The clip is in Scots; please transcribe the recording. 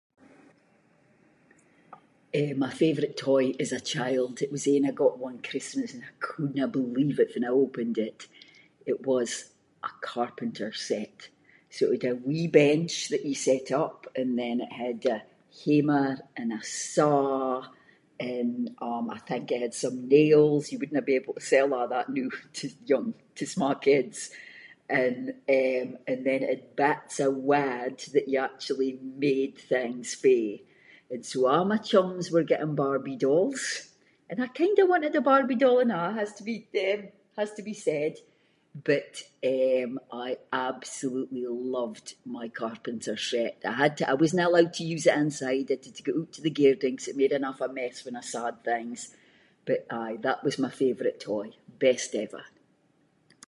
Eh my favourite toy as a child, it was ain I got one Christmas and I couldnae believe it fann I opened it. It was a carpenter’s set, so it had a wee bench that you set up, and then it had a hammer and a saw and, um, I think it had some nails, you wouldnae be able to sell a’ that noo, to young- to sma' kids. And, eh, and then it had bits of wood that you actually made things fae. And so a’ my chums were getting Barbie dolls, and I kind of wanted a Barbie doll and a’, it has to be- has to be said, but, eh, I absolutely loved my carpenter’s set, I had to- I wasnae allowed to use it inside, I had to go oot to the garden ‘cause it made an awfu' mess when I sawed things, but aye, that was my favourite toy, best ever.